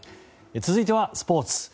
続いてはスポーツ。